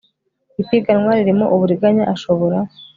ipiganwa ririmo uburiganya ashobora